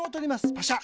パシャ。